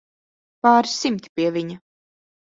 Pāris simti, pie viņa.